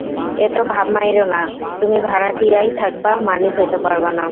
এত ভাব মাইরো না, তুমি ভাড়াটিয়াই থাকবা, মালিক হইতে পারবা না।